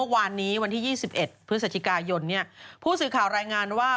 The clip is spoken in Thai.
วันนี้วันที่๒๑พฤศจิกายนผู้สื่อข่าวรายงานว่า